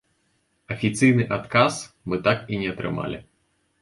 Афіцыйны адказ мы так і не атрымалі.